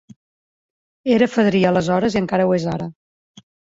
Era fadrí aleshores i encara ho és ara.